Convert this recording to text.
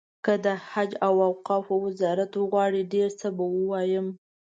که د حج او اوقافو وزارت وغواړي ډېر څه به ووایم.